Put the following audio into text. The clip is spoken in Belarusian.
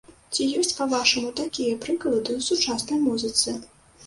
Ці ёсць па-вашаму такія прыклады ў сучаснай музыцы?